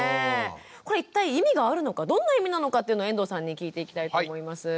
これ一体意味があるのかどんな意味なのかっていうのを遠藤さんに聞いていきたいと思います。